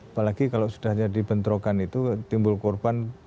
apalagi kalau sudah dibentrokan itu timbul korban